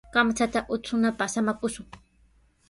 Kamchata utrunapaq samakushun.